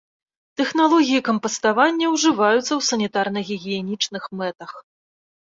Тэхналогіі кампаставання ўжываюцца ў санітарна-гігіенічных мэтах.